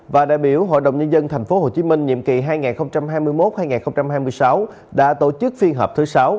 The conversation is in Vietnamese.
và đại biểu hội đồng nhân dân tp hcm nhiệm kỳ hai nghìn hai mươi một hai nghìn hai mươi sáu đã tổ chức phiên họp thứ sáu